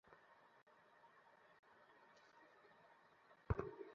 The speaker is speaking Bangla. সবাইকে ওটা দিয়ে পাঠিয়েছেন।